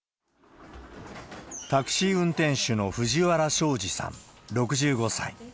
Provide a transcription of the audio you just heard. タクシー運転手の藤原昭二さん６５歳。